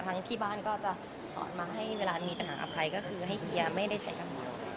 ทั้งที่บ้านก็จะสอนมาให้เวลามีต่างอภัยก็คือให้เคลียร์ไม่ได้ใช้กัน